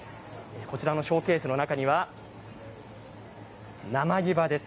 こちらのショーケースの中には生湯葉です。